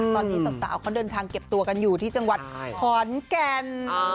ตอนนี้สาวเขาเดินทางเก็บตัวกันอยู่ที่จังหวัดขอนแก่น